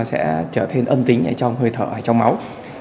sẽ trở thành âm tính trong hơi thở hay trong máu